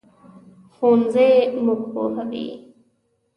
ښوونځی موږ پوهوي